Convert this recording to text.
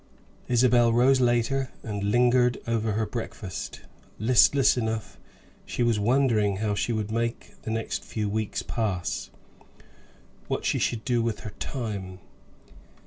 Isabel rose later, and lingered over her breakfast, listless enough. She was wondering how she would make the next few weeks pass; what she should do with her time.